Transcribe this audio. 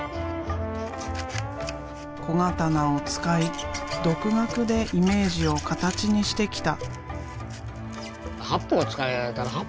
小刀を使い独学でイメージを形にしてきた。